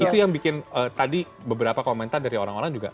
itu yang bikin tadi beberapa komentar dari orang orang juga